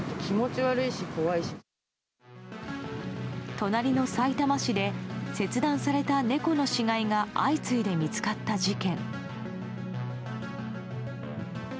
隣のさいたま市で切断された猫の死骸が相次いで見つかった事件。